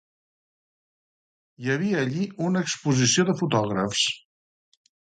Hi havia allí una exposició de fotògrafs.